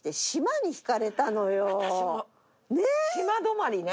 島泊まりね。